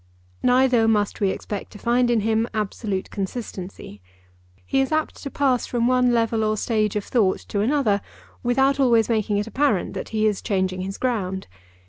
Neither must we expect to find in him absolute consistency. He is apt to pass from one level or stage of thought to another without always making it apparent that he is changing his ground.